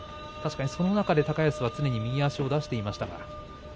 その中で高安は常に右足を出していました。